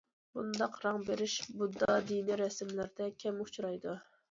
بۇنداق رەڭ بېرىش بۇددا دىنى رەسىملىرىدە كەم ئۇچرايدۇ.